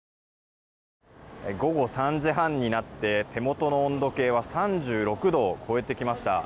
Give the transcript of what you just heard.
午後３時半になって手元の温度計は３６度を超えてきました。